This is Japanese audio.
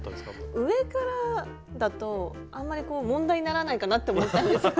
上からだとあんまり問題にならないかなって思ったんですよね。